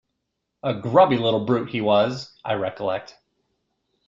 A grubby little brute he was, I recollect.